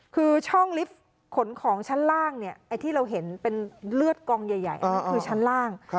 คือช่องลิฟต์ขนของชั้นล่างเนี่ยไอ้ที่เราเห็นเป็นเลือดกองใหญ่อันนั้นคือชั้นล่าง